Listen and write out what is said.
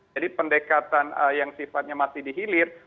jadi pendekatan yang sifatnya masih dihilir